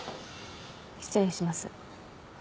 失礼します。